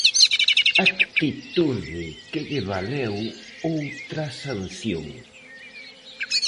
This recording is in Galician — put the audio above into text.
Actitude que lle valeu outra sanción.